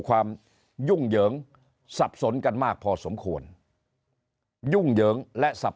ยุ่งเหยิงสับสนกันมากพอสมควรยุ่งเหยิงและสับ